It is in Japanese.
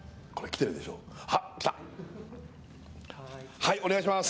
はいお願いします